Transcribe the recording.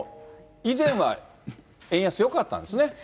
以前は、円安よかったんですね。